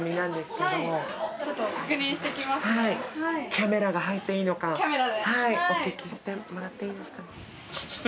キャメラが入っていいのかお聞きしてもらっていいですか。